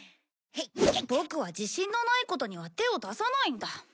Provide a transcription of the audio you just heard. ボクは自信のないことには手を出さないんだ。